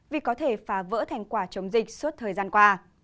vì có thể phá vỡ thành quả chống dịch suốt thời gian qua